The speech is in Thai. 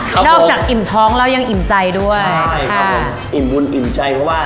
นอกจากอิ่มท้องแล้วยังอิ่มใจด้วยใช่ครับผมอิ่มบุญอิ่มใจเพราะว่า